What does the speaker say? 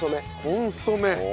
コンソメ。